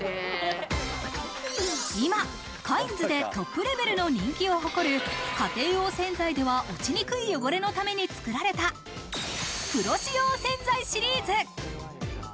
今カインズでトップレベルの人気を誇る、家庭用洗剤では落ちにくい汚れのために作られたプロ仕様洗剤シリーズ。